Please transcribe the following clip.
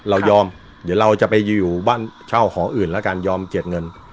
เรายอมเดี๋ยวเราจะไปอยู่บ้านเช่าหออื่นแล้วกันยอมเจียดเงิน